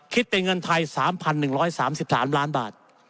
คิดเป็นเงินไทย๓๑๓๓ล้านบาท